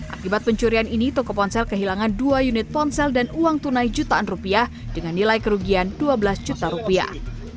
akibat pencurian ini toko ponsel kehilangan dua unit ponsel dan uang tunai jutaan rupiah dengan nilai kerugian dua belas juta rupiah